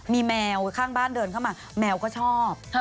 มีแมวข้างบ้านเดินเข้ามาแมวก็ชอบ